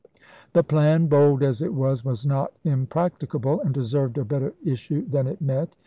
The plan, bold as it was, was not impracticable, and deserved a better issue than it met.